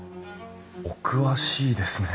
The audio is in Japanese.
お詳しいですね。